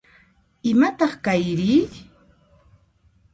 Imataq kayri?